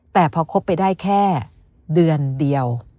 แต่พอคบไปได้แค่เดือนเดียว